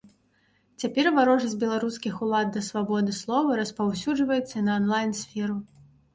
Цяпер варожасць беларускіх улад да свабоды слова распаўсюджваецца і на анлайн-сферу.